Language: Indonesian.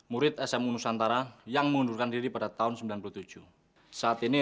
murid sm unusantara yang mengundurkan diri pada tahun sembilan puluh tujuh